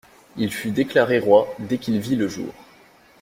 Il fut déclaré roi dès qu’il vit le jour.